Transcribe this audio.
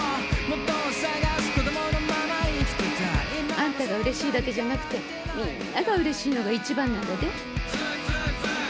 あんたがうれしいだけじゃなくてみぃんながうれしいのが一番なんだで。